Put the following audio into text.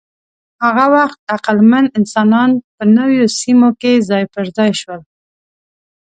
هغه وخت عقلمن انسانان په نویو سیمو کې ځای پر ځای شول.